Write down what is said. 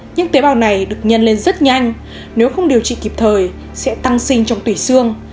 những tế bào này được nhân lên rất nhanh nếu không điều trị kịp thời sẽ tăng sinh trong tủy xương